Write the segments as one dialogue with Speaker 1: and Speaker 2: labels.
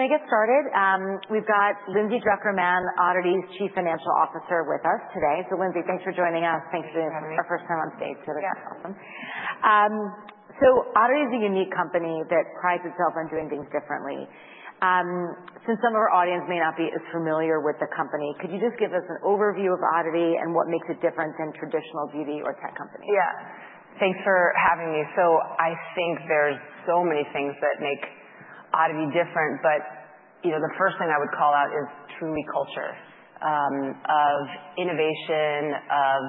Speaker 1: Going to get started. We've got Lindsay Drucker Mann, ODDITY's Chief Financial Officer, with us today. So, Lindsay, thanks for joining us.
Speaker 2: Thank you.
Speaker 1: Our first time on stage, so that's awesome. So, ODDITY is a unique company that prides itself on doing things differently. Since some of our audience may not be as familiar with the company, could you just give us an overview of ODDITY and what makes it different than traditional beauty or tech companies?
Speaker 2: Yeah. Thanks for having me. So, I think there's so many things that make ODDITY different, but the first thing I would call out is truly culture of innovation, of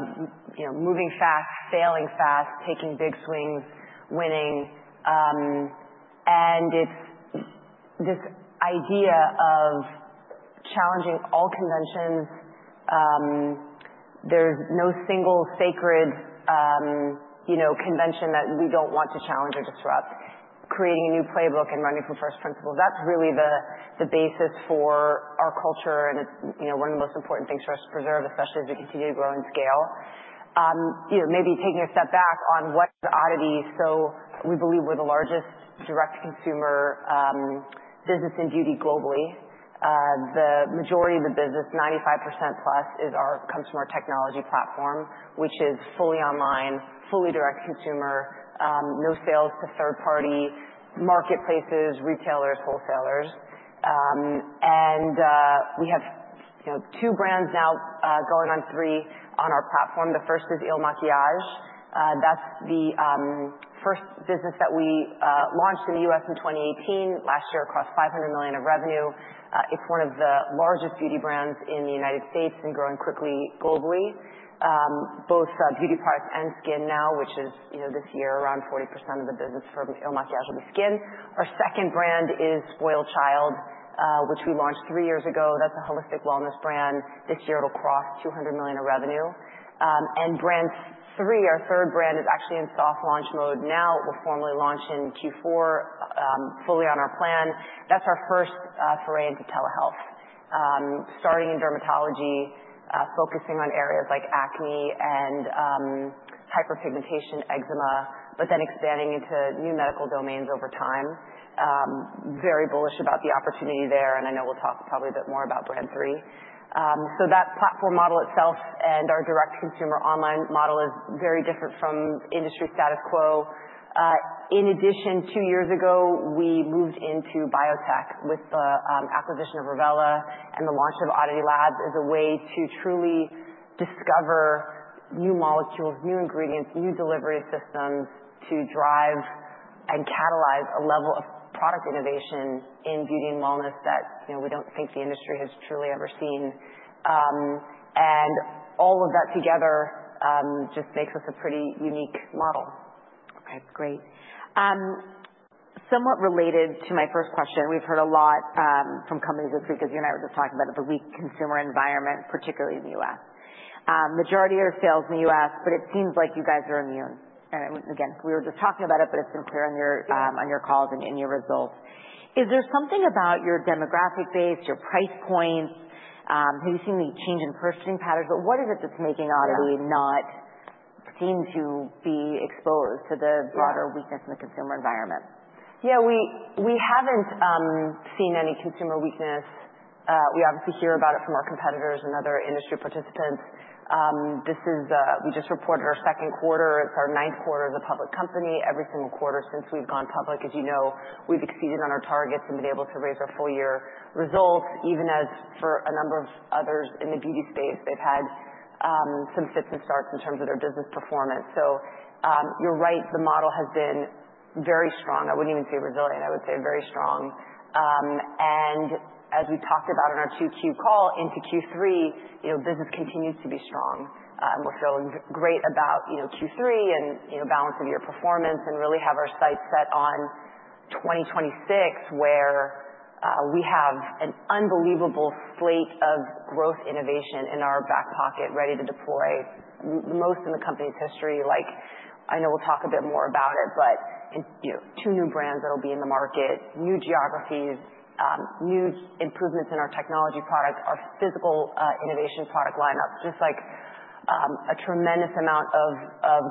Speaker 2: moving fast, failing fast, taking big swings, winning. And it's this idea of challenging all conventions. There's no single sacred convention that we don't want to challenge or disrupt. Creating a new playbook and running from first principles. That's really the basis for our culture and one of the most important things for us to preserve, especially as we continue to grow and scale. Maybe taking a step back on what is ODDITY. So, we believe we're the largest direct-to-consumer business in beauty globally. The majority of the business, 95% plus, comes from our technology platform, which is fully online, fully direct-to-consumer, no sales to third-party marketplaces, retailers, wholesalers. We have two brands now going on three on our platform. The first is Il Makiage. That's the first business that we launched in the U.S. in 2018. Last year, it crossed $500 million in revenue. It's one of the largest beauty brands in the United States and growing quickly globally. Both beauty products and skin now, which is this year around 40% of the business from Il Makiage will be skin. Our second brand is SpoiledChild, which we launched three years ago. That's a holistic wellness brand. This year, it'll cross $200 million in revenue. And Brand 3, our third brand, is actually in soft launch mode now. We'll formally launch in Q4, fully on our plan. That's our first foray into telehealth, starting in dermatology, focusing on areas like acne and hyperpigmentation, eczema, but then expanding into new medical domains over time. Very bullish about the opportunity there, and I know we'll talk probably a bit more about Brand 3. That platform model itself and our direct-to-consumer online model is very different from industry status quo. In addition, two years ago, we moved into biotech with the acquisition of Revela and the launch of ODDITY Labs as a way to truly discover new molecules, new ingredients, new delivery systems to drive and catalyze a level of product innovation in beauty and wellness that we don't think the industry has truly ever seen. All of that together just makes us a pretty unique model.
Speaker 1: Okay. Great. Somewhat related to my first question, we've heard a lot from companies this week, as you and I were just talking about it, the weak consumer environment, particularly in the U.S. Majority of sales in the U.S., but it seems like you guys are immune. And again, we were just talking about it, but it's been clear on your calls and in your results. Is there something about your demographic base, your price points? Have you seen any change in purchasing patterns? But what is it that's making ODDITY not seem to be exposed to the broader weakness in the consumer environment?
Speaker 2: Yeah. We haven't seen any consumer weakness. We obviously hear about it from our competitors and other industry participants. We just reported our second quarter. It's our ninth quarter as a public company. Every single quarter since we've gone public, as you know, we've exceeded on our targets and been able to raise our full-year results, even as for a number of others in the beauty space, they've had some fits and starts in terms of their business performance. So, you're right, the model has been very strong. I wouldn't even say resilient. I would say very strong, and as we talked about in our Q2 call, into Q3, business continues to be strong. We're feeling great about Q3 and balance-of-year performance and really have our sights set on 2026, where we have an unbelievable slate of growth innovation in our back pocket ready to deploy, the most in the company's history. I know we'll talk a bit more about it, but two new brands that'll be in the market, new geographies, new improvements in our technology product, our physical innovation product lineup, just like a tremendous amount of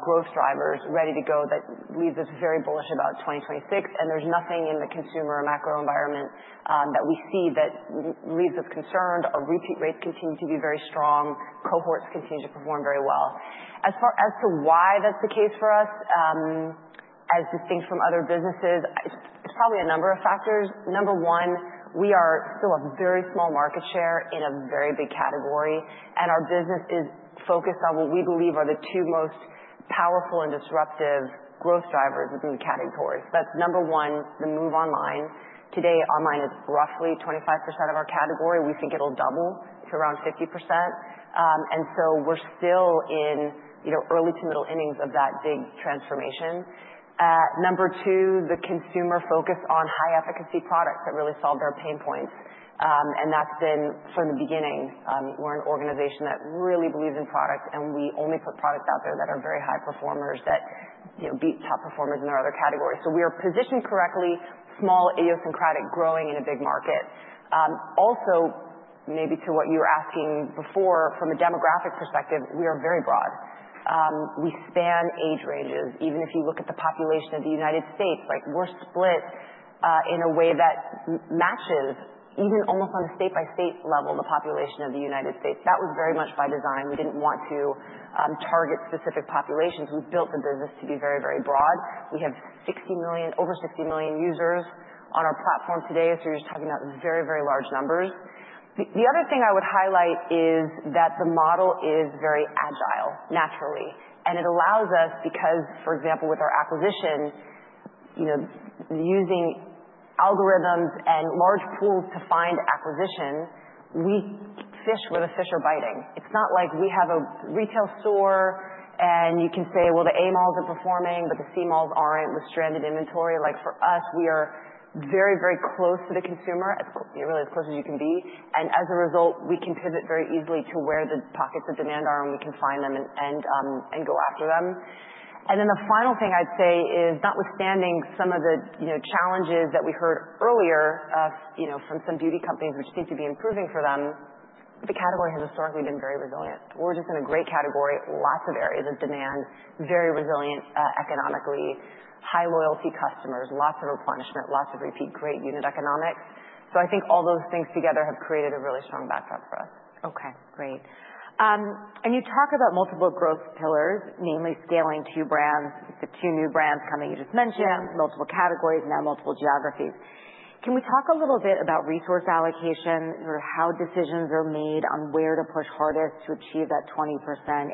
Speaker 2: growth drivers ready to go that leaves us very bullish about 2026, and there's nothing in the consumer macro environment that we see that leaves us concerned. Our repeat rates continue to be very strong. Cohorts continue to perform very well. As far as to why that's the case for us, as distinct from other businesses, it's probably a number of factors. Number one, we are still a very small market share in a very big category, and our business is focused on what we believe are the two most powerful and disruptive growth drivers within the categories. That's number one, the move online. Today, online is roughly 25% of our category. We think it'll double to around 50%. And so, we're still in early to middle innings of that big transformation. Number two, the consumer focus on high-efficacy products that really solve their pain points. And that's been from the beginning. We're an organization that really believes in product, and we only put products out there that are very high performers, that beat top performers in their other categories. So, we are positioned correctly, small, idiosyncratic, growing in a big market. Also, maybe to what you were asking before, from a demographic perspective, we are very broad. We span age ranges. Even if you look at the population of the United States, we're split in a way that matches, even almost on a state-by-state level, the population of the United States. That was very much by design. We didn't want to target specific populations. We've built the business to be very, very broad. We have over 60 million users on our platform today. So, you're just talking about very, very large numbers. The other thing I would highlight is that the model is very agile, naturally, and it allows us, because, for example, with our acquisition, using algorithms and large pools to find acquisition, we fish where the fish are biting. It's not like we have a retail store and you can say, well, the A malls are performing, but the C malls aren't with stranded inventory. For us, we are very, very close to the consumer, really as close as you can be. And as a result, we can pivot very easily to where the pockets of demand are and we can find them and go after them. And then the final thing I'd say is, notwithstanding some of the challenges that we heard earlier from some beauty companies, which seem to be improving for them, the category has historically been very resilient. We're just in a great category, lots of areas of demand, very resilient economically, high loyalty customers, lots of replenishment, lots of repeat, great unit economics. So, I think all those things together have created a really strong backdrop for us.
Speaker 1: Okay. Great. And you talk about multiple growth pillars, namely scaling two brands, the two new brands coming you just mentioned, multiple categories, now multiple geographies. Can we talk a little bit about resource allocation, how decisions are made on where to push hardest to achieve that 20%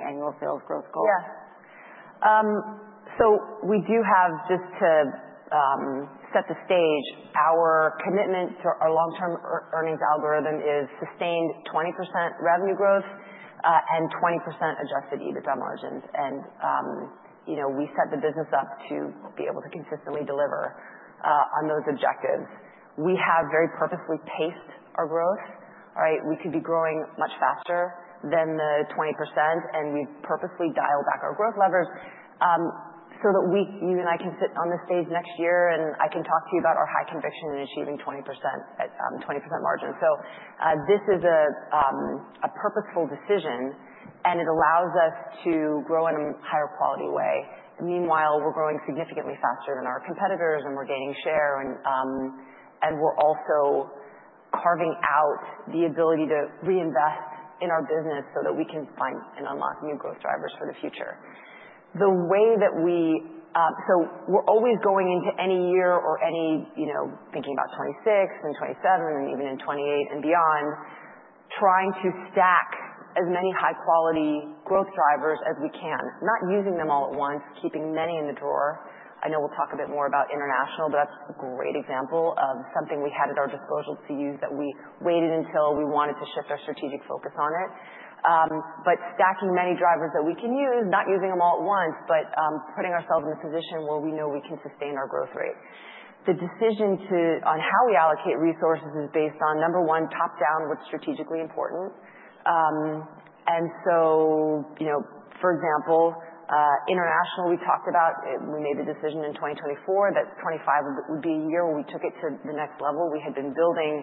Speaker 1: annual sales growth goal?
Speaker 2: Yeah. So, we do have, just to set the stage, our commitment to our long-term earnings algorithm is sustained 20% revenue growth and 20% Adjusted EBITDA margins. And we set the business up to be able to consistently deliver on those objectives. We have very purposefully paced our growth. We could be growing much faster than the 20%, and we've purposely dialed back our growth levers so that you and I can sit on the stage next year and I can talk to you about our high conviction in achieving 20% margins. So, this is a purposeful decision, and it allows us to grow in a higher quality way. Meanwhile, we're growing significantly faster than our competitors, and we're gaining share, and we're also carving out the ability to reinvest in our business so that we can find and unlock new growth drivers for the future. So we're always going into any year thinking about 2026 and 2027 and even in 2028 and beyond, trying to stack as many high-quality growth drivers as we can, not using them all at once, keeping many in the drawer. I know we'll talk a bit more about international, but that's a great example of something we had at our disposal to use that we waited until we wanted to shift our strategic focus on it, but stacking many drivers that we can use, not using them all at once, but putting ourselves in a position where we know we can sustain our growth rate. The decision on how we allocate resources is based on number one, top-down, what's strategically important. And so, for example, international, we talked about. We made the decision in 2024 that 2025 would be a year when we took it to the next level. We had been building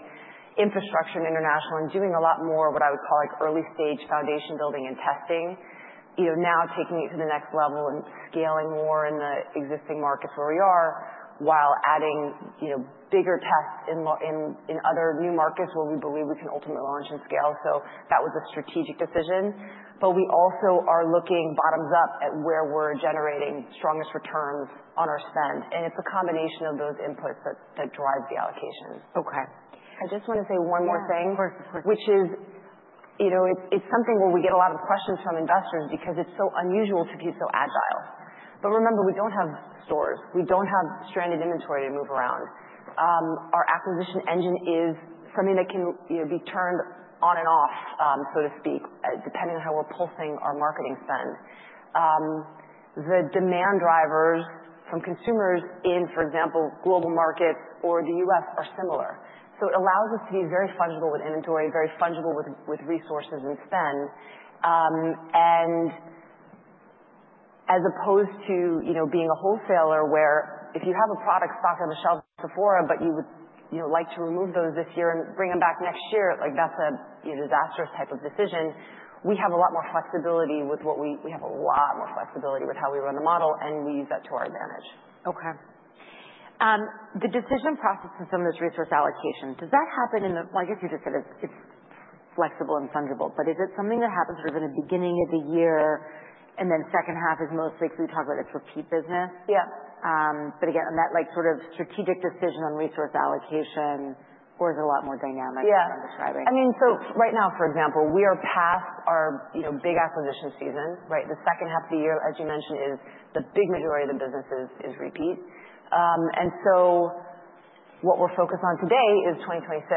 Speaker 2: infrastructure in international and doing a lot more, what I would call early-stage foundation building and testing, now taking it to the next level and scaling more in the existing markets where we are while adding bigger tests in other new markets where we believe we can ultimately launch and scale. So, that was a strategic decision. But we also are looking bottoms up at where we're generating strongest returns on our spend. And it's a combination of those inputs that drive the allocation.
Speaker 1: Okay. I just want to say one more thing.
Speaker 2: Of course, of course.
Speaker 1: Which is, it's something where we get a lot of questions from investors because it's so unusual to be so agile. But remember, we don't have stores. We don't have stranded inventory to move around. Our acquisition engine is something that can be turned on and off, so to speak, depending on how we're pulsing our marketing spend. The demand drivers from consumers in, for example, global markets or the U.S. are similar. So, it allows us to be very fungible with inventory, very fungible with resources and spend. And as opposed to being a wholesaler where if you have a product stocked on the shelf in Sephora, but you would like to remove those this year and bring them back next year, that's a disastrous type of decision. We have a lot more flexibility with how we run the model, and we use that to our advantage.
Speaker 2: Okay.
Speaker 1: The decision process for some of those resource allocations, does that happen, well, I guess you just said it's flexible and fungible, but is it something that happens sort of in the beginning of the year and then second half is mostly because we talk about it's repeat business?
Speaker 2: Yeah.
Speaker 1: But again, on that sort of strategic decision on resource allocation, or is it a lot more dynamic than I'm describing?
Speaker 2: Yeah. I mean, so right now, for example, we are past our big acquisition season. The second half of the year, as you mentioned, is the big majority of the business is repeat. And so, what we're focused on today is 2026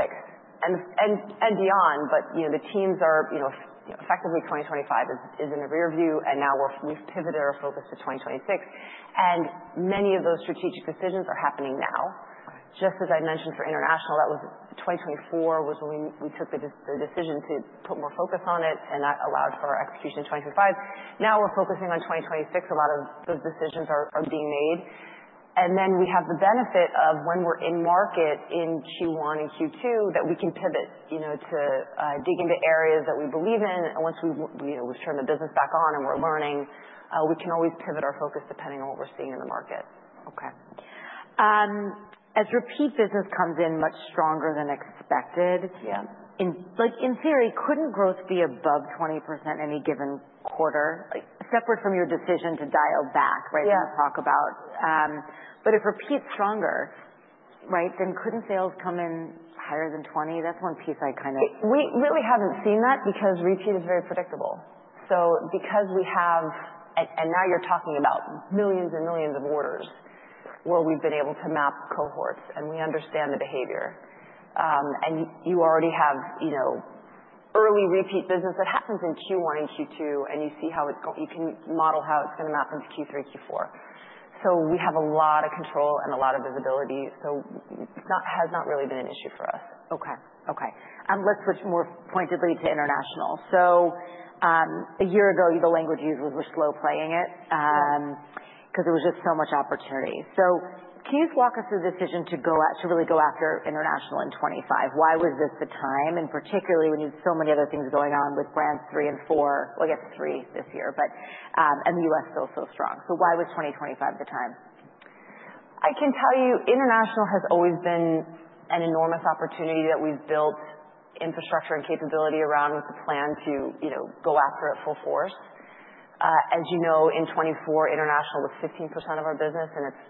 Speaker 2: and beyond, but the teams are effectively 2025 is in the rearview, and now we've pivoted our focus to 2026. And many of those strategic decisions are happening now. Just as I mentioned for international, that was 2024 was when we took the decision to put more focus on it, and that allowed for our execution in 2025. Now we're focusing on 2026. A lot of those decisions are being made. And then we have the benefit of when we're in market in Q1 and Q2 that we can pivot to dig into areas that we believe in. Once we've turned the business back on and we're learning, we can always pivot our focus depending on what we're seeing in the market.
Speaker 1: Okay. As repeat business comes in much stronger than expected, in theory, couldn't growth be above 20% in any given quarter? Separate from your decision to dial back, we'll talk about. But if repeat's stronger, then couldn't sales come in higher than 20? That's one piece I kind of.
Speaker 2: We really haven't seen that because repeat is very predictable. So, because we have and now you're talking about millions and millions of orders where we've been able to map cohorts, and we understand the behavior. And you already have early repeat business that happens in Q1 and Q2, and you see how it's going. You can model how it's going to map into Q3, Q4. So, we have a lot of control and a lot of visibility. So, it has not really been an issue for us.
Speaker 1: Okay. Okay. Let's switch more pointedly to international. A year ago, the language used was we're slow playing it because there was just so much opportunity. Can you just walk us through the decision to really go after international in 2025? Why was this the time, and particularly when you had so many other things going on with Brand 3 and Brand 4, well, I guess Brand 3 this year, and the U.S. still so strong? Why was 2025 the time?
Speaker 2: I can tell you international has always been an enormous opportunity that we've built infrastructure and capability around with the plan to go after at full force. As you know, in 2024, international was 15% of our business, and it's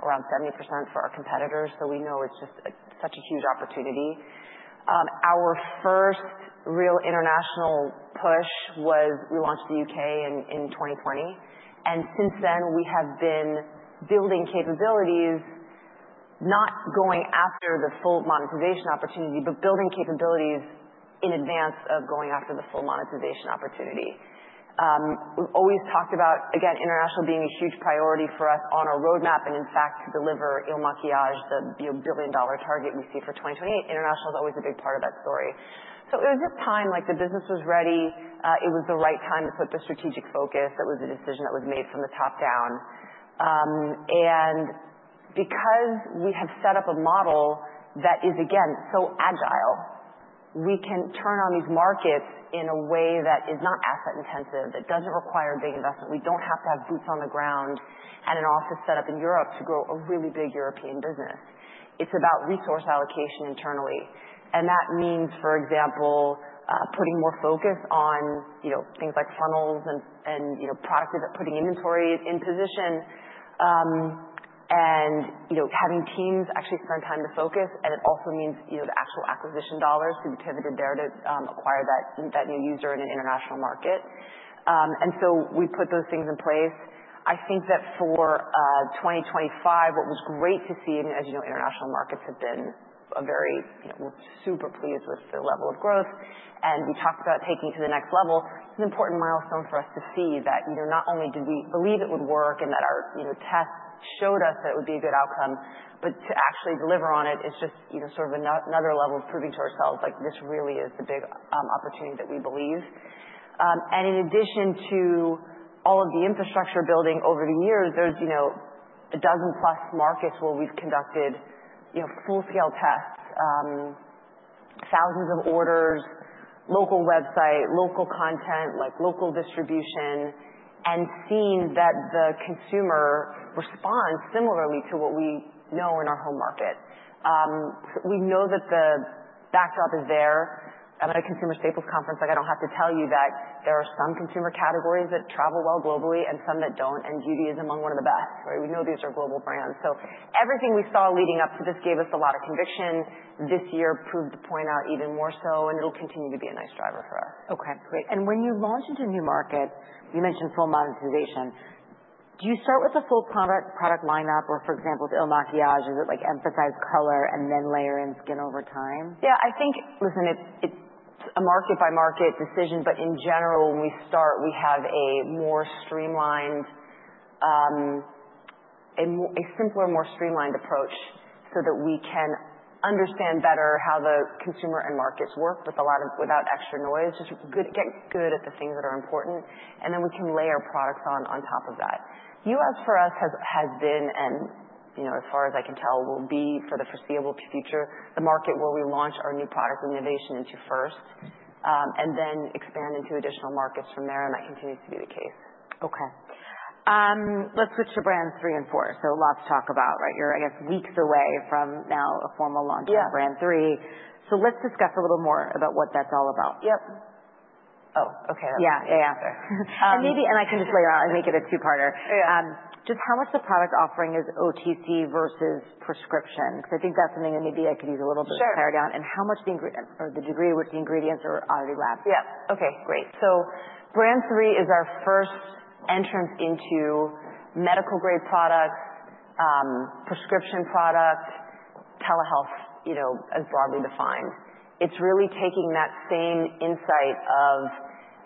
Speaker 2: around 70% for our competitors. So, we know it's just such a huge opportunity. Our first real international push was we launched the U.K. in 2020. And since then, we have been building capabilities, not going after the full monetization opportunity, but building capabilities in advance of going after the full monetization opportunity. We've always talked about, again, international being a huge priority for us on our roadmap, and in fact, to deliver Il Makiage, the $1 billion target we see for 2028, international is always a big part of that story. So, it was just time. Like, the business was ready. It was the right time to put the strategic focus. It was a decision that was made from the top down. And because we have set up a model that is, again, so agile, we can turn on these markets in a way that is not asset-intensive, that doesn't require big investment. We don't have to have boots on the ground and an office set up in Europe to grow a really big European business. It's about resource allocation internally. And that means, for example, putting more focus on things like funnels and product, putting inventory in position, and having teams actually spend time to focus. And it also means the actual acquisition dollars to be pivoted there to acquire that new user in an international market. And so, we put those things in place. I think that for 2025, what was great to see, and as you know, international markets have been. We're super pleased with the level of growth, and we talked about taking it to the next level. It's an important milestone for us to see that not only did we believe it would work and that our tests showed us that it would be a good outcome, but to actually deliver on it is just sort of another level of proving to ourselves this really is the big opportunity that we believe, and in addition to all of the infrastructure building over the years, there's a dozen-plus markets where we've conducted full-scale tests, thousands of orders, local website, local content, like local distribution, and seen that the consumer responds similarly to what we know in our home market. We know that the backdrop is there. I'm at a consumer staples conference. I don't have to tell you that there are some consumer categories that travel well globally and some that don't, and beauty is among one of the best. We know these are global brands. So, everything we saw leading up to this gave us a lot of conviction. This year proved the point out even more so, and it'll continue to be a nice driver for us.
Speaker 1: Okay. Great. And when you launch into a new market, you mentioned full monetization. Do you start with a full product lineup or, for example, with Il Makiage? Is it emphasize color and then layer in skin over time?
Speaker 2: Yeah. I think, listen, it's a market-by-market decision, but in general, when we start, we have a more streamlined, a simpler, more streamlined approach so that we can understand better how the consumer and markets work without extra noise, just get good at the things that are important, and then we can layer products on top of that. U.S. for us has been, and as far as I can tell, will be for the foreseeable future, the market where we launch our new products and innovation into first and then expand into additional markets from there, and that continues to be the case.
Speaker 1: Okay. Let's switch to brands three and four. So, lots to talk about. You're, I guess, weeks away from now a formal launch of brand three. So, let's discuss a little more about what that's all about.
Speaker 2: Yep. Oh, okay.
Speaker 1: Yeah, yeah, yeah, and I can just lay it out and make it a two-parter. Just how much the product offering is OTC versus prescription? Because I think that's something that maybe I could use a little bit of clarity on, and how much the degree with the ingredients are ODDITY Labs?
Speaker 2: Yeah. Okay. Great. So, Brand 3 is our first entrance into medical-grade products, prescription product, telehealth as broadly defined. It's really taking that same insight of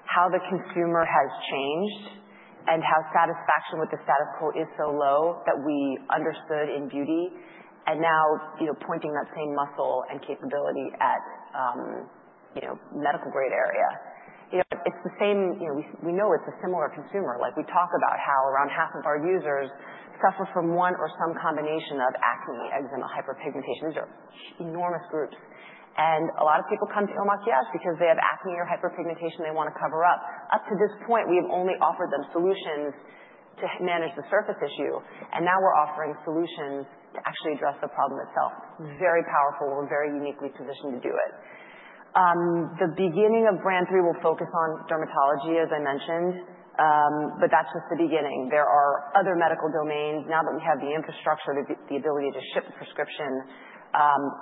Speaker 2: how the consumer has changed and how satisfaction with the status quo is so low that we understood in beauty and now pointing that same muscle and capability at medical-grade area. It's the same. We know it's a similar consumer. We talk about how around half of our users suffer from one or some combination of acne, eczema, hyperpigmentation. These are enormous groups. And a lot of people come to Il Makiage because they have acne or hyperpigmentation they want to cover up. Up to this point, we have only offered them solutions to manage the surface issue, and now we're offering solutions to actually address the problem itself. Very powerful. We're very uniquely positioned to do it. The beginning of Brand 3 will focus on dermatology, as I mentioned, but that's just the beginning. There are other medical domains. Now that we have the infrastructure, the ability to ship prescription,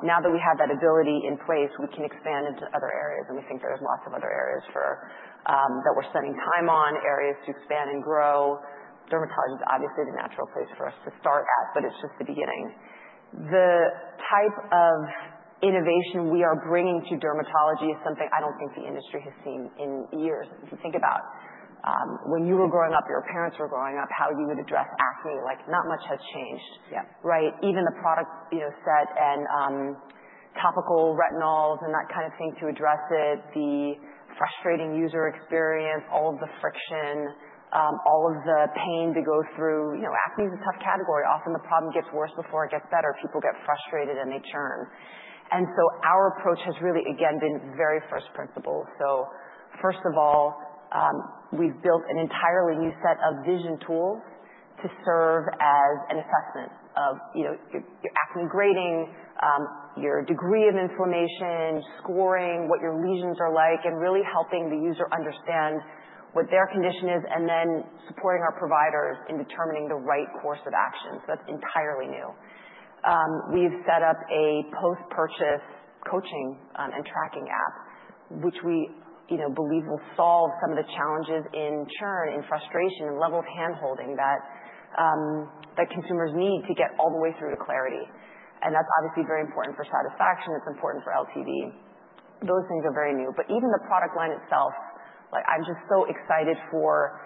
Speaker 2: now that we have that ability in place, we can expand into other areas, and we think there's lots of other areas that we're spending time on, areas to expand and grow. Dermatology is obviously the natural place for us to start at, but it's just the beginning. The type of innovation we are bringing to dermatology is something I don't think the industry has seen in years. If you think about when you were growing up, your parents were growing up, how you would address acne, not much has changed. Even the product set and topical retinols and that kind of thing to address it, the frustrating user experience, all of the friction, all of the pain to go through. Acne is a tough category. Often, the problem gets worse before it gets better. People get frustrated and they churn, and so our approach has really, again, been very first principles, so first of all, we've built an entirely new set of vision tools to serve as an assessment of your acne grading, your degree of inflammation, scoring, what your lesions are like, and really helping the user understand what their condition is and then supporting our providers in determining the right course of action, so that's entirely new. We've set up a post-purchase coaching and tracking app, which we believe will solve some of the challenges in churn, in frustration, and level of hand-holding that consumers need to get all the way through to clarity, and that's obviously very important for satisfaction. It's important for LTV. Those things are very new, but even the product line itself, I'm just so excited for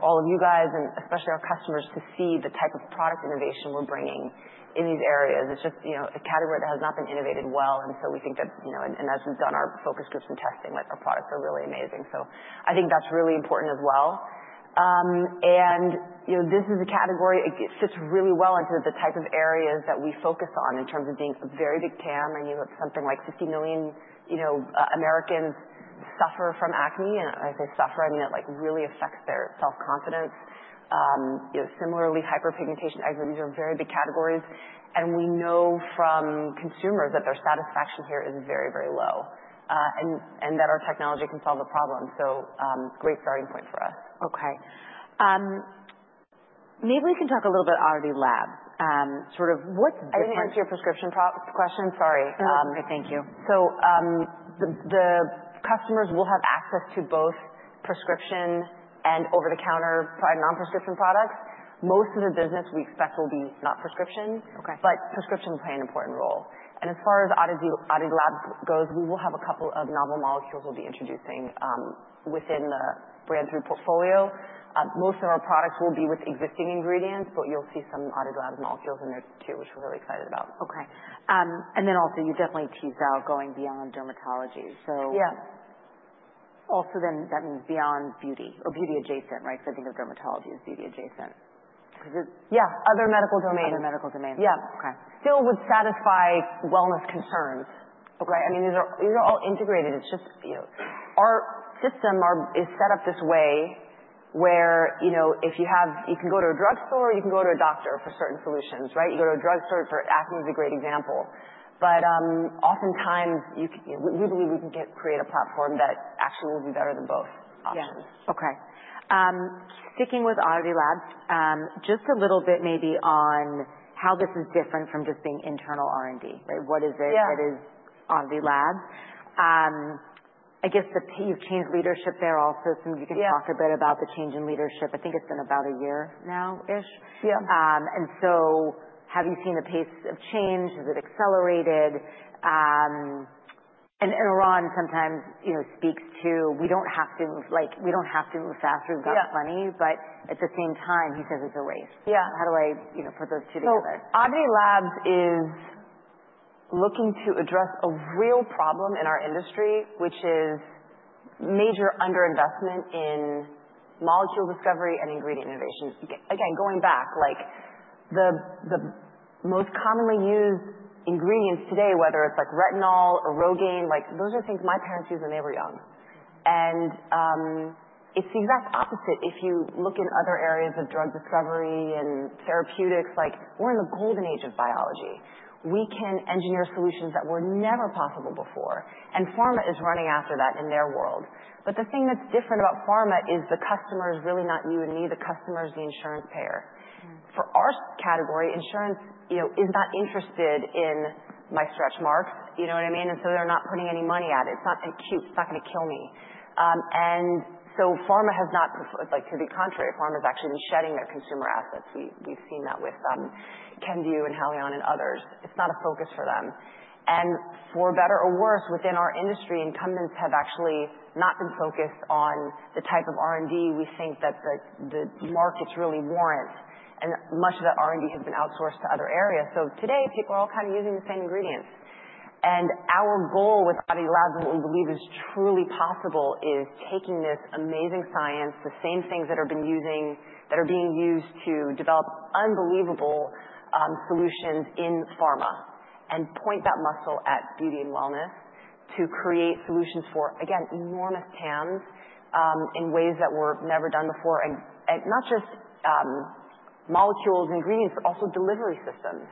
Speaker 2: all of you guys and especially our customers to see the type of product innovation we're bringing in these areas. It's just a category that has not been innovated well, and so we think that, and as we've done our focus groups and testing, our products are really amazing, so I think that's really important as well, and this is a category, it fits really well into the type of areas that we focus on in terms of being a very big TAM. I knew that something like 50 million Americans suffer from acne. And when I say suffer, I mean it really affects their self-confidence. Similarly, hyperpigmentation, eczema, these are very big categories. And we know from consumers that their satisfaction here is very, very low and that our technology can solve the problem. So, great starting point for us.
Speaker 1: Okay. Maybe we can talk a little bit about ODDITY Labs. Sort of, what's different?
Speaker 2: I didn't hear your prescription question. Sorry.
Speaker 1: Thank you.
Speaker 2: So, the customers will have access to both prescription and over-the-counter non-prescription products. Most of the business we expect will be not prescription, but prescription will play an important role. And as far as ODDITY Labs goes, we will have a couple of novel molecules we'll be introducing within the Brand 3 portfolio. Most of our products will be with existing ingredients, but you'll see some ODDITY Labs molecules in there too, which we're really excited about.
Speaker 1: Okay. And then also, you definitely teased out going beyond dermatology. So, also then that means beyond beauty or beauty-adjacent, right? Because I think of dermatology as beauty-adjacent.
Speaker 2: Yeah. Other medical domains.
Speaker 1: Other medical domains.
Speaker 2: Yeah. Still would satisfy wellness concerns. I mean, these are all integrated. It's just our system is set up this way where if you can go to a drugstore, you can go to a doctor for certain solutions. You go to a drugstore for acne is a great example. But oftentimes, we believe we can create a platform that actually will be better than both options.
Speaker 1: Okay. Sticking with ODDITY Labs, just a little bit maybe on how this is different from just being internal R&D. What is it that is ODDITY Labs? I guess you've changed leadership there also. You can talk a bit about the change in leadership. I think it's been about a year now-ish. And so, have you seen the pace of change? Has it accelerated? And Oran sometimes speaks to, we don't have to move faster, we've got plenty, but at the same time, he says it's a race. How do I put those two together?
Speaker 2: ODDITY Labs is looking to address a real problem in our industry, which is major underinvestment in molecule discovery and ingredient innovation. Again, going back, the most commonly used ingredients today, whether it's retinol or Rogaine, those are things my parents used when they were young. And it's the exact opposite. If you look in other areas of drug discovery and therapeutics, we're in the golden age of biology. We can engineer solutions that were never possible before. And pharma is running after that in their world. But the thing that's different about pharma is the customer is really not you and me. The customer is the insurance payer. For our category, insurance is not interested in my stretch marks, you know what I mean? And so, they're not putting any money at it. It's not acute. It's not going to kill me. Pharma has not, to the contrary. Pharma has actually been shedding their consumer assets. We've seen that with Kenvue and Haleon and others. It's not a focus for them. For better or worse, within our industry, incumbents have actually not been focused on the type of R&D we think that the markets really warrant, and much of that R&D has been outsourced to other areas. Today, people are all kind of using the same ingredients. Our goal with ODDITY Labs and what we believe is truly possible is taking this amazing science, the same things that are being used to develop unbelievable solutions in pharma, and point that muscle at beauty and wellness to create solutions for, again, enormous TAMs in ways that were never done before, and not just molecules and ingredients, but also delivery systems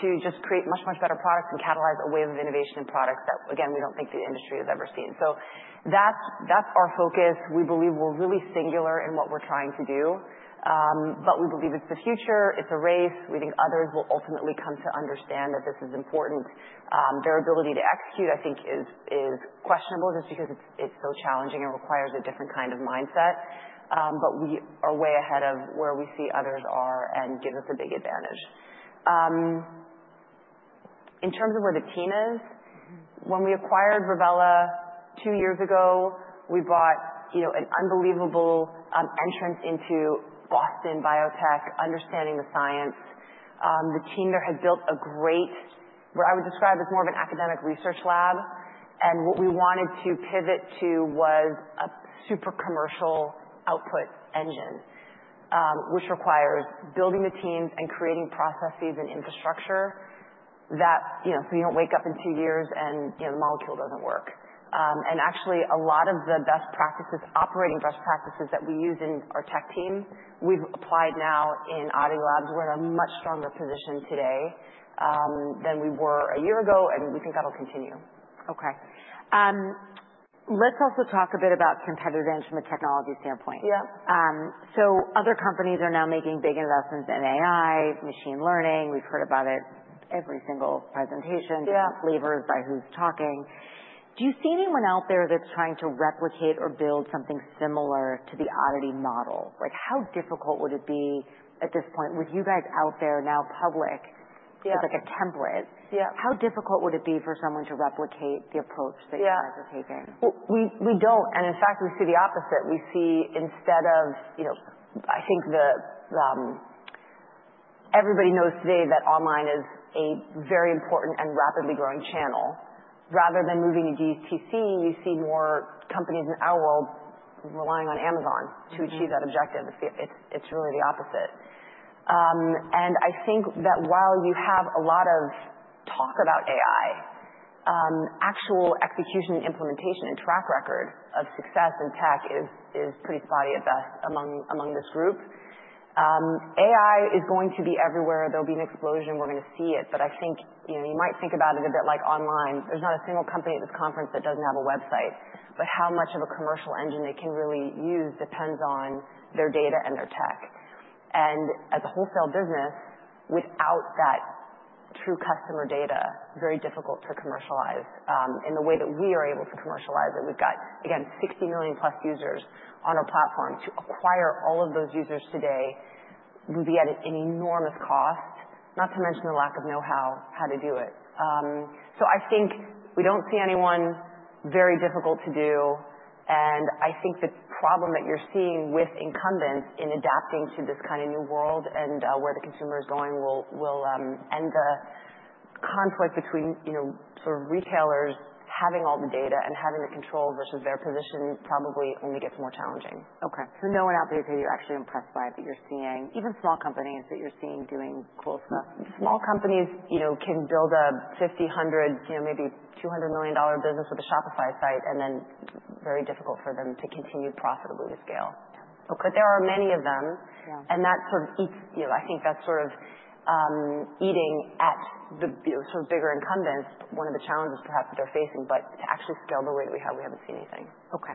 Speaker 2: to just create much, much better products and catalyze a wave of innovation in products that, again, we don't think the industry has ever seen. That's our focus. We believe we're really singular in what we're trying to do, but we believe it's the future. It's a race. We think others will ultimately come to understand that this is important. Their ability to execute, I think, is questionable just because it's so challenging and requires a different kind of mindset. But we are way ahead of where we see others are and gives us a big advantage. In terms of where the team is, when we acquired Revela two years ago, we bought an unbelievable entrance into Boston biotech, understanding the science. The team there had built a great, what I would describe as more of an academic research lab. And what we wanted to pivot to was a super commercial output engine, which requires building the teams and creating processes and infrastructure so you don't wake up in two years and the molecule doesn't work. And actually, a lot of the best practices, operating best practices that we use in our tech team, we've applied now in ODDITY Labs. We're in a much stronger position today than we were a year ago, and we think that'll continue.
Speaker 1: Okay. Let's also talk a bit about competitive engine from a technology standpoint. So, other companies are now making big investments in AI, machine learning. We've heard about it every single presentation, the flavors by who's talking. Do you see anyone out there that's trying to replicate or build something similar to the ODDITY model? How difficult would it be at this point with you guys out there now public as a template? How difficult would it be for someone to replicate the approach that you guys are taking?
Speaker 2: We don't. And in fact, we see the opposite. We see instead of, I think everybody knows today that online is a very important and rapidly growing channel. Rather than moving to DTC, we see more companies in our world relying on Amazon to achieve that objective. It's really the opposite. And I think that while you have a lot of talk about AI, actual execution and implementation and track record of success in tech is pretty spotty at best among this group. AI is going to be everywhere. There'll be an explosion. We're going to see it. But I think you might think about it a bit like online. There's not a single company at this conference that doesn't have a website. But how much of a commercial engine they can really use depends on their data and their tech. As a wholesale business, without that true customer data, very difficult to commercialize. In the way that we are able to commercialize it, we've got, again, 60 million-plus users on our platform. To acquire all of those users today, we'd be at an enormous cost, not to mention the lack of know-how how to do it. So, I think we don't see anyone very difficult to do. And I think the problem that you're seeing with incumbents in adapting to this kind of new world and where the consumer is going and the conflict between sort of retailers having all the data and having the control versus their position probably only gets more challenging.
Speaker 1: Okay. So, no one out there? Here you're actually impressed by that you're seeing, even small companies that you're seeing doing cool stuff?
Speaker 2: Small companies can build a $50 million, $100 million, maybe $200 million business with a Shopify site, and then very difficult for them to continue profitably to scale, but there are many of them, and that sort of eats, I think that's sort of eating at the sort of bigger incumbents. One of the challenges perhaps that they're facing, but to actually scale the way that we have, we haven't seen anything.
Speaker 1: Okay.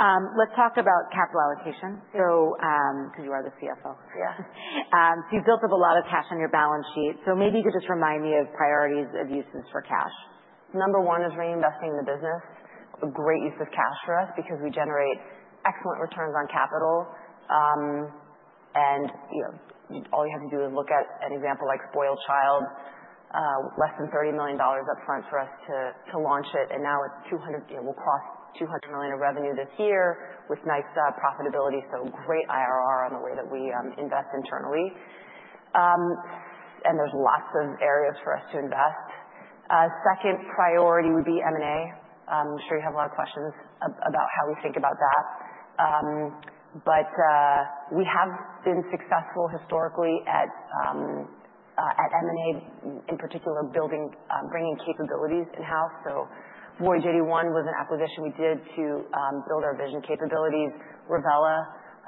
Speaker 1: Let's talk about capital allocation. Because you are the CFO.
Speaker 2: Yeah.
Speaker 1: So, you've built up a lot of cash on your balance sheet. So, maybe you could just remind me of priorities of uses for cash?
Speaker 2: Number one is reinvesting in the business. Great use of cash for us because we generate excellent returns on capital. And all you have to do is look at an example like Spoiled Child, less than $30 million upfront for us to launch it. And now we'll cross $200 million of revenue this year with nice profitability. So, great IRR on the way that we invest internally. And there's lots of areas for us to invest. Second priority would be M&A. I'm sure you have a lot of questions about how we think about that. But we have been successful historically at M&A, in particular, bringing capabilities in-house. So, Voyage81 was an acquisition we did to build our vision capabilities. Revela,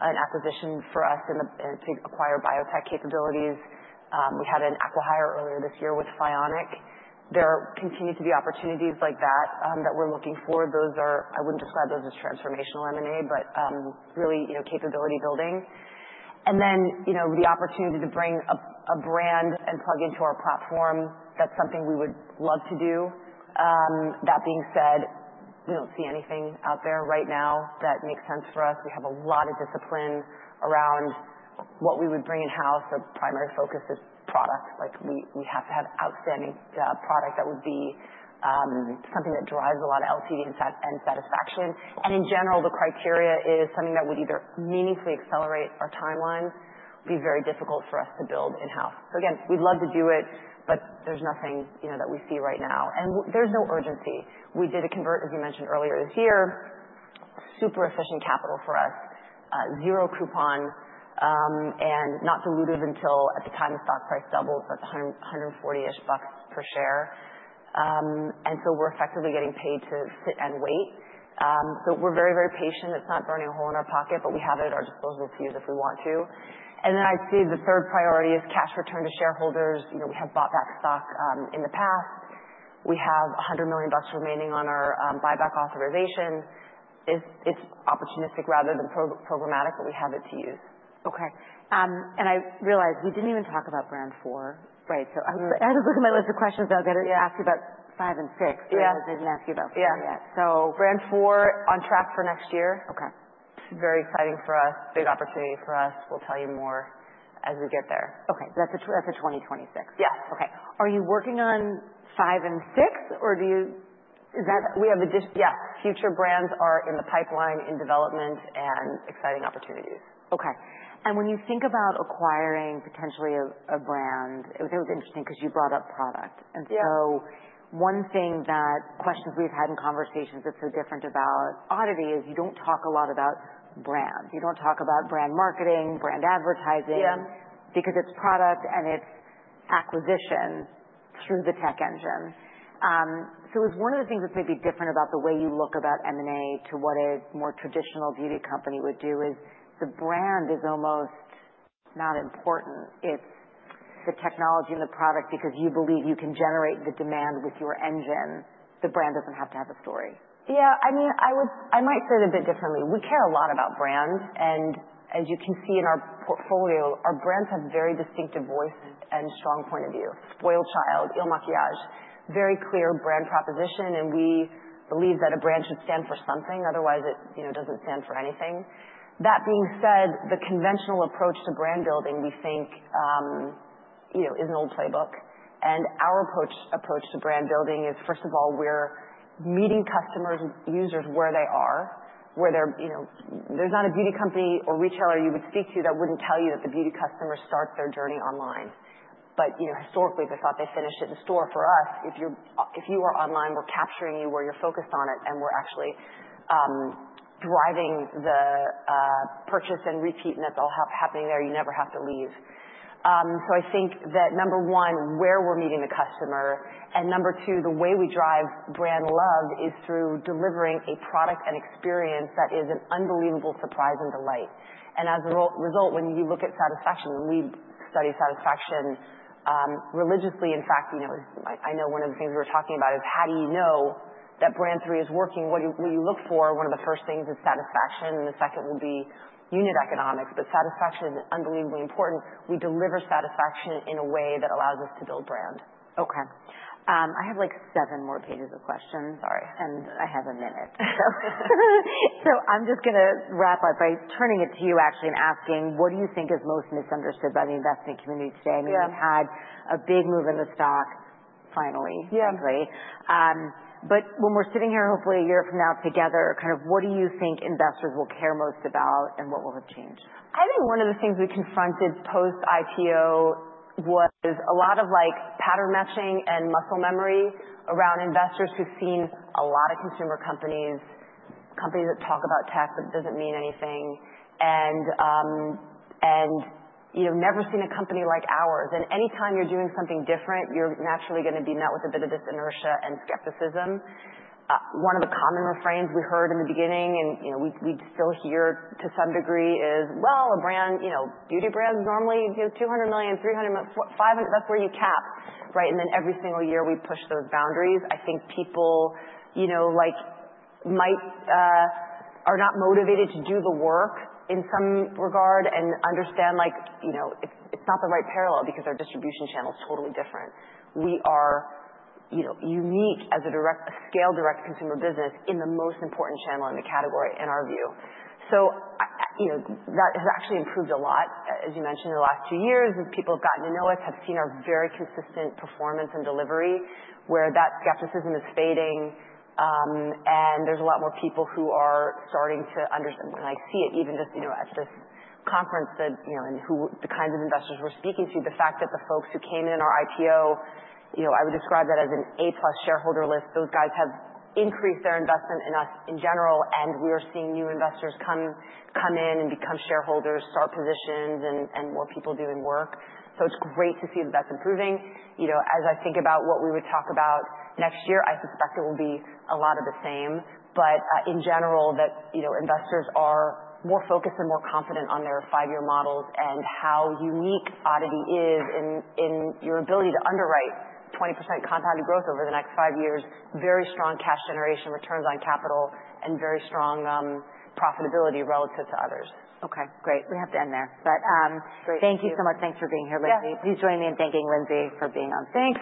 Speaker 2: an acquisition for us to acquire biotech capabilities. We had an acquihire earlier this year with Phionic. There continue to be opportunities like that that we're looking for. I wouldn't describe those as transformational M&A, but really capability building. Then the opportunity to bring a brand and plug into our platform, that's something we would love to do. That being said, we don't see anything out there right now that makes sense for us. We have a lot of discipline around what we would bring in-house. Our primary focus is product. We have to have outstanding product that would be something that drives a lot of LTV and satisfaction. In general, the criteria is something that would either meaningfully accelerate our timeline would be very difficult for us to build in-house. Again, we'd love to do it, but there's nothing that we see right now. There's no urgency. We did a convertible, as you mentioned earlier this year, super efficient capital for us, zero coupon, and not diluted until at the time the stock price doubled. That's $140-ish per share. And so, we're effectively getting paid to sit and wait. So, we're very, very patient. It's not burning a hole in our pocket, but we have it at our disposal to use if we want to. And then I'd say the third priority is cash return to shareholders. We have bought back stock in the past. We have $100 million remaining on our buyback authorization. It's opportunistic rather than programmatic, but we have it to use.
Speaker 1: Okay. And I realize we didn't even talk about brand four, right? So, I was looking at my list of questions. I was going to ask you about five and six, but I didn't ask you about four yet.
Speaker 2: Yeah. Brand 4 on track for next year. Very exciting for us, big opportunity for us. We'll tell you more as we get there.
Speaker 1: Okay. That's a 2026.
Speaker 2: Yeah.
Speaker 1: Okay. Are you working on five and six, or do you?
Speaker 2: We have. Yes. Future brands are in the pipeline, in development, and exciting opportunities.
Speaker 1: Okay. And when you think about acquiring potentially a brand, that was interesting because you brought up product. And so, one thing, the questions we've had in conversations that's so different about ODDITY is you don't talk a lot about brands. You don't talk about brand marketing, brand advertising because it's product and it's acquisition through the tech engine. So, it was one of the things that's maybe different about the way you look at M&A to what a more traditional beauty company would do is the brand is almost not important. It's the technology and the product because you believe you can generate the demand with your engine. The brand doesn't have to have a story.
Speaker 2: Yeah. I mean, I might say it a bit differently. We care a lot about brands. And as you can see in our portfolio, our brands have very distinctive voice and strong point of view. SpoiledChild, IL Makiage, very clear brand proposition. And we believe that a brand should stand for something. Otherwise, it doesn't stand for anything. That being said, the conventional approach to brand building, we think, is an old playbook. And our approach to brand building is, first of all, we're meeting customers and users where they are, where there's not a beauty company or retailer you would speak to that wouldn't tell you that the beauty customer starts their journey online. But historically, they thought they finished it in store. For us, if you are online, we're capturing you where you're focused on it, and we're actually driving the purchase and repeat, and that's all happening there. You never have to leave. So I think that number one, where we're meeting the customer, and number two, the way we drive brand love is through delivering a product and experience that is an unbelievable surprise and delight, and as a result, when you look at satisfaction, and we study satisfaction religiously, in fact, I know one of the things we were talking about is how do you know that Brand 3 is working? What do you look for? One of the first things is satisfaction, and the second will be unit economics, but satisfaction is unbelievably important. We deliver satisfaction in a way that allows us to build brand.
Speaker 1: Okay. I have like seven more pages of questions.
Speaker 2: Sorry.
Speaker 1: I have a minute. I'm just going to wrap up by turning it to you actually and asking, what do you think is most misunderstood by the investment community today? I mean, we've had a big move in the stock finally, frankly. But when we're sitting here hopefully a year from now together, kind of what do you think investors will care most about and what will have changed?
Speaker 2: I think one of the things we confronted post-IPO was a lot of pattern matching and muscle memory around investors who've seen a lot of consumer companies, companies that talk about tech but it doesn't mean anything, and never seen a company like ours. And anytime you're doing something different, you're naturally going to be met with a bit of this inertia and skepticism. One of the common refrains we heard in the beginning, and we'd still hear to some degree, is, well, a beauty brand is normally $200 million, $300 million, $500, that's where you cap. And then every single year we push those boundaries. I think people might are not motivated to do the work in some regard and understand it's not the right parallel because our distribution channel is totally different. We are unique as a scale direct to consumer business in the most important channel in the category in our view, so that has actually improved a lot, as you mentioned, in the last two years as people have gotten to know us, have seen our very consistent performance and delivery where that skepticism is fading. And there's a lot more people who are starting to understand. When I see it, even just at this conference and the kinds of investors we're speaking to, the fact that the folks who came in our IPO, I would describe that as an A-plus shareholder list, those guys have increased their investment in us in general. And we are seeing new investors come in and become shareholders, start positions, and more people doing work, so it's great to see that that's improving. As I think about what we would talk about next year, I suspect it will be a lot of the same. But in general, that investors are more focused and more confident on their five-year models and how unique ODDITY is in your ability to underwrite 20% compounded growth over the next five years, very strong cash generation, returns on capital, and very strong profitability relative to others.
Speaker 1: Okay. Great. We have to end there. But thank you so much. Thanks for being here, Lindsay. Please join me in thanking Lindsay for being on stage.